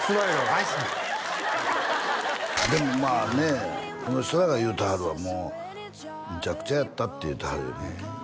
愛スマイルでもまあねこの人らが言うてはるわもうむちゃくちゃやったって言うてはるよね